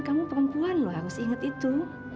kamu perempuan loh harus inget itu